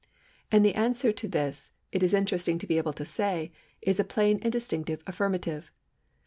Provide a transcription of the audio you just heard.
And the answer to this it is interesting to be able to say is a plain and distinct affirmative.